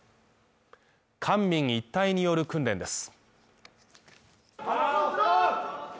官民一体による訓練です。